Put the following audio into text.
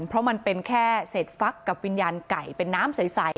เพราะมันเป็นแค่เศษฟักกับวิญญาณไก่เป็นน้ำใส